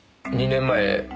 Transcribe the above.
２年前？